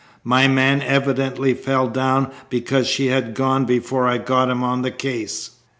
My man evidently fell down because she had gone before I got him on the case."